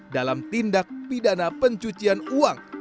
dalam tindak pidana pencucian uang